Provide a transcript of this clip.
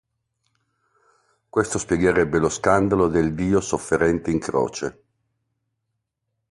Questo spiegherebbe lo scandalo del Dio sofferente in croce.